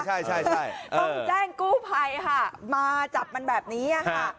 ใช่ต้องแจ้งกู้ภัยค่ะมาจับมันแบบนี้ค่ะ